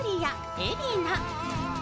海老名。